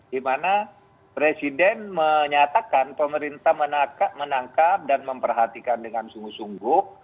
dimana presiden menyatakan pemerintah menangkap dan memperhatikan dengan sungguh sungguh